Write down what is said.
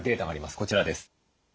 こちらです。